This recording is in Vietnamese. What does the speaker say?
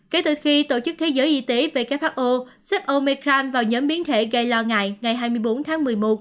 kể từ khi tổ chức thế giới y tế who xếp omicron vào nhóm biến thể gây lo ngại ngày hai mươi bốn tháng một mươi một